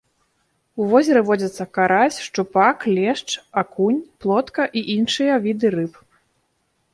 У возеры водзяцца карась, шчупак, лешч, акунь, плотка і іншыя віды рыб.